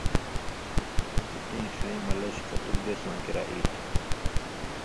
چےۡ تیں ݜَیں ملݜیۡ کتُک دیس واں کریا ای تھو؟